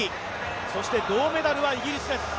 そして銅メダルはイギリスです。